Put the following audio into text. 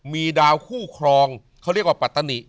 มีดาวคู่ครองเขาเรียกว่าปัตตนิ